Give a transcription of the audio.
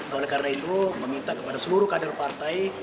oleh karena itu meminta kepada seluruh kader partai